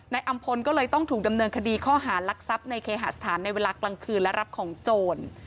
อำพลก็เลยต้องถูกดำเนินคดีข้อหารักทรัพย์ในเคหาสถานในเวลากลางคืนและรับของโจร